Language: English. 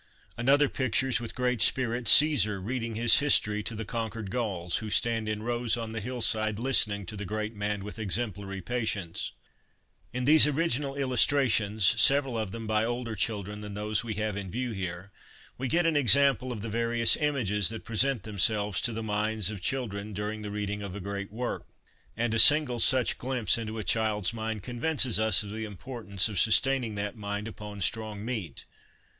Another pictures, with great spirit, Caesar reading his history to the conquered Gauls, who stand in rows on the hillside listening to the great man with exemplary patience. In these original illustrations (several of them by older children than those we have in view here), we get an example of the various images that present themselves to the minds of children during the read ing of a great work ; and a single such glimpse into a child's mind convinces us of the importance of sus taining that mind upon strong meat.